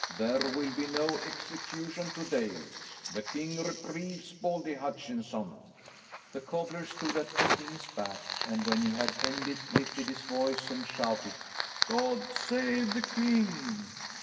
There will be no execution to day. The king reprieves Baldy Hutchinson." The cobbler stood at the king's back, and when he had ended, lifted his voice and shouted, "God save the King!"